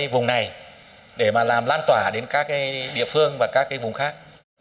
và đến các địa phương và các vùng khác